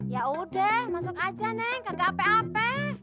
ya udah masuk aja neng kagak apa apa